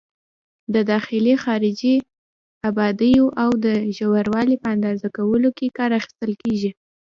د داخلي، خارجي ابعادو او د ژوروالي په اندازه کولو کې کار اخیستل کېږي.